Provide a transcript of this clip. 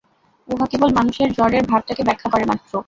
উহা কেবল মানুষের জড়ের ভাগটাকে ব্যাখ্যা করে মাত্র।